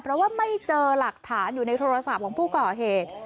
เพราะว่าไม่เจอหลักฐานอยู่ในโทรศัพท์ของผู้ก่อเหตุ